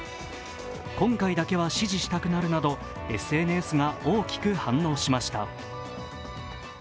今回だけは支持したくなるなどＳＮＳが大きく反応しました。